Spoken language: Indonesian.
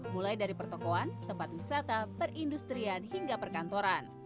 mulai dari pertokohan tempat wisata perindustrian hingga perkantoran